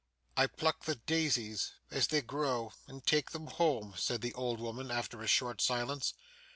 'I pluck the daisies as they grow, and take them home,' said the old woman after a short silence.